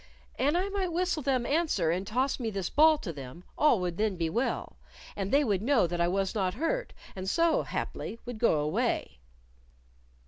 An I might whistle them answer and toss me this ball to them, all would then be well, and they would know that I was not hurt, and so, haply, would go away."